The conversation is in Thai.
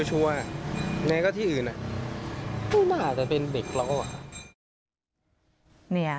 ไม่ชัวร์นี่ก็ที่อื่นมันอาจจะเป็นเด็กเรา